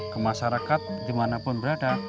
ke masyarakat dimanapun berada